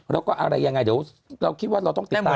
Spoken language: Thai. แล้วก็อะไรยังไงเดี๋ยวเราต้องติดตาม